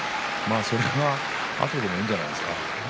それは、あとでもいいんじゃないですか。